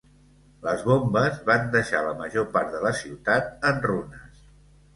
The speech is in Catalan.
Les bombes van deixar la major part de la ciutat en runes.